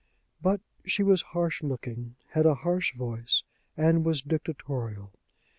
But she was harsh looking, had a harsh voice, and was dictatorial.